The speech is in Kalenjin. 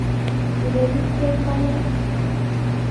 ngeripkei panan